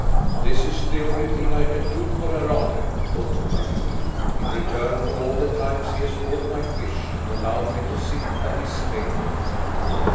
"This is the only thing I can do for Herr Arne," thought Torarin, "in return for all the times he has bought my fish and allowed me to sit at his table."